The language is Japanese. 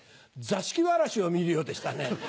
座敷わらしを見るようでしたね。